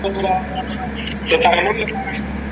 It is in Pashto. چاته ولیکم بیتونه پر چا وکړمه عرضونه